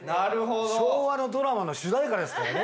昭和のドラマの主題歌ですからね。